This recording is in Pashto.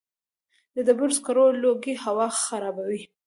د ډبرو سکرو لوګی هوا خرابوي؟